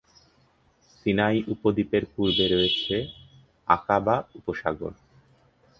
Sinai উপদ্বীপের পূর্বে রয়েছে আকাবা উপসাগর।